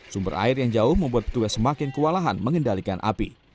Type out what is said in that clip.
sumber air yang jauh membuat petugas semakin kewalahan mengendalikan api